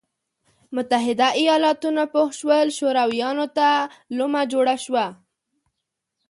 متحده ایالتونه پوه شول شورویانو ته لومه جوړه شوه.